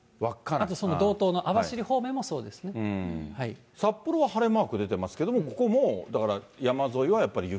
あと道東の網走方面もそうで札幌は晴れマーク出てますけれども、ここもだから、山沿いはやっぱり雪？